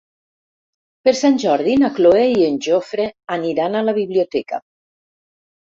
Per Sant Jordi na Cloè i en Jofre aniran a la biblioteca.